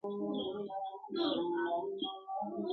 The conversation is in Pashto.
او لا تر اوسه له پېړیو له سدیو وروسته -